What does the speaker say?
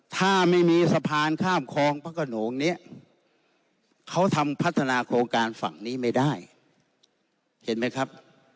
ถ้าไม่มีสะพานข้ามคลองพระขนงเนี่ยเขาทำพัฒนาโครงการฝั่งนี้ไม่ได้เห็นไหมครับ